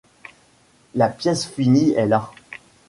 La pièce finie est là.